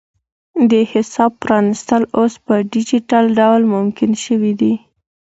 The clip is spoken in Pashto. د حساب پرانیستل اوس په ډیجیټل ډول ممکن شوي دي.